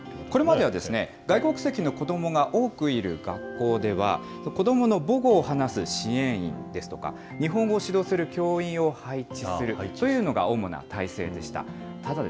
これまでは、外国籍の子どもが多くいる学校では、子どもの母語を話す支援員ですとか、日本語を指導する教員を配置するというのが主な体制でした。